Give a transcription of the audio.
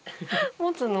持つの？